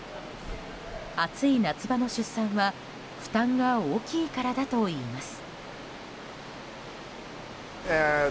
暑い夏場の出産は負担が大きいからだといいます。